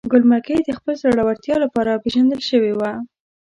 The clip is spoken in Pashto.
ګل مکۍ د خپل زړورتیا لپاره پیژندل شوې وه.